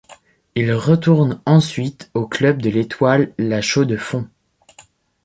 Il retourne ensuite au club de l'Étoile La Chaux-de-Fonds.